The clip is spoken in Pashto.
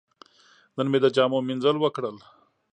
نن مې د جامو مینځل وکړل.